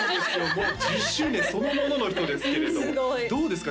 もう１０周年そのものの人ですけれどどうですか？